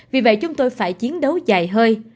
vì vậy chúng tôi phải chiến đấu dài hơi